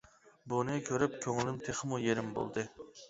بۇنى كۆرۈپ كۆڭلۈم تېخىمۇ يېرىم بولدى!